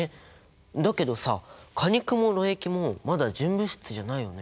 だけどさ果肉もろ液もまだ純物質じゃないよね。